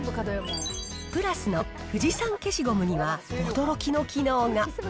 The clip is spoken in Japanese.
プラスの富士山消しゴムには驚きの機能が。